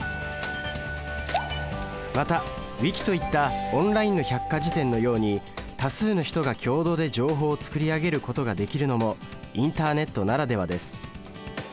またウィキといったオンラインの百科事典のように多数の人が共同で情報を作り上げることができるのもインターネットならではです。